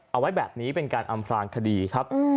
เอาไว้แบบนี้เป็นการอำพลางคดีครับ